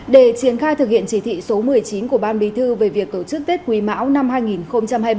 để triển khai thực hiện chỉ thị số một mươi chín của ban bí thư về việc tổ chức tết quý mão năm hai nghìn hai mươi ba